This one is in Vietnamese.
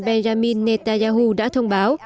benjamin netanyahu đã thông báo